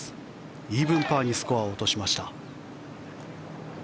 イーブンパーにスコアを落としました。